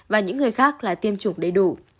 và những người khác là tiêm chủng đầy đủ